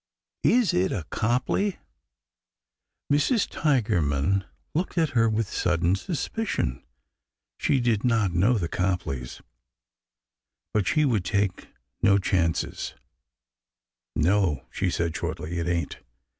'' Is it a Copley ?" BEGINNINGS AND ENDINGS 41 j Mrs. Tigerman looked at her with sudden suspicion . She did not know the Copleys, but she would take no chances. No/' she said shortly, '' it ain't.